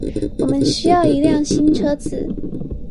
我們需要一輛新車子